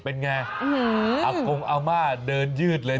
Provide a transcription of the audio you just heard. เป็นไงอากงอาม่าเดินยืดเลย